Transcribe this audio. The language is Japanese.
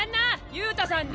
憂太さんに。